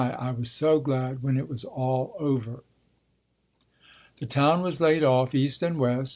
I was so glad when it was all over. The town was laid off east and west.